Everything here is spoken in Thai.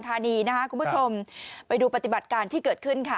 ทาร์นี้นะฮะคุณผู้ชมไปดูปฏิบัติการที่เกิดขึ้นค่ะ